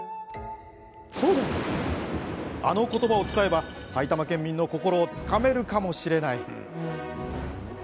あの言葉を使えば埼玉県民の心をつかめるかもしれない。